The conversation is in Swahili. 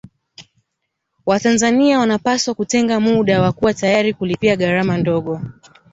Watanzania wanapaswa kutenga muda na kuwa tayari kulipia gharama ndogo